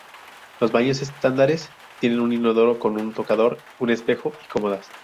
Los baños estándares tienen un inodoro con un tocador, un espejo y cómodas.